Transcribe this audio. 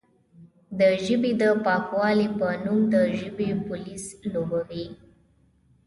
د ژبې د پاکوالې په نوم د ژبې پولیس لوبوي،